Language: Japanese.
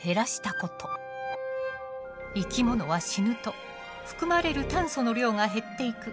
生き物は死ぬと含まれる炭素の量が減っていく。